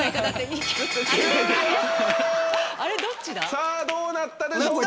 さぁどうなったでしょうか？